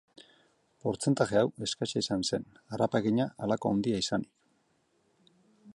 Portzentaje hau eskasa izan zen harrapakina halako handia izanik.